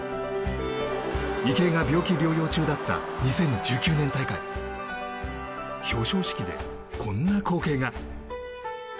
池江が病気療養中だった２０１９年大会表彰式でこんな光景が。